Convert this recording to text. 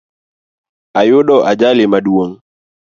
Ayudo ajali maduong